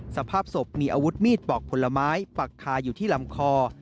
สภาพศพมีอาวุธมีดปอกผลไม้ปักคาอยู่ที่ลำคอ